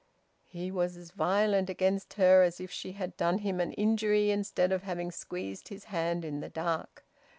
He was as violent against her as if she had done him an injury instead of having squeezed his hand in the dark.